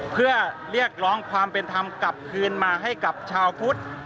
เพื่อเรียกร้องความเป็นธรรมกลับคืนมาให้กับชาวพุทธ